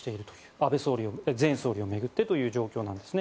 安倍前総理を巡ってという状況なんですね。